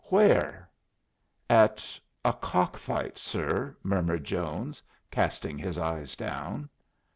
Where?" "At a cock fight, sir," murmured Jones, casting his eyes down.